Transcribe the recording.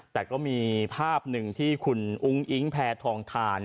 แต่ก็มีภาพหนึ่งที่คุณอุ้งอิ๊งแพทองทาน